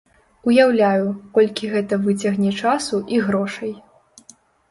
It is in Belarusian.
Уяўляю, колькі гэта выцягне часу і грошай.